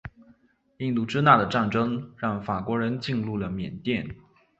印度支那的战争让法国人进入了缅甸。